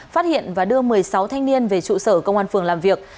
phát hiện và đưa một mươi sáu thanh niên về trụ sở công an phường làm việc